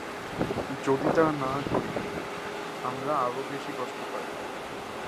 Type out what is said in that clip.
যদি তাহা না করি, আমরা আরও বেশী কষ্ট পাইব।